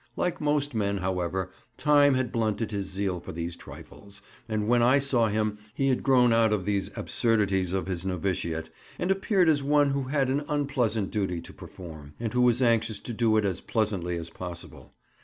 Like most men, however, time had blunted his zeal for these trifles, and when I saw him he had grown out of these absurdities of his novitiate, and appeared as one who had an unpleasant duty to perform, and who was anxious to do it as pleasantly as possible.